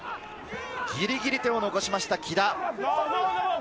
ギリギリ手を残しました、木田。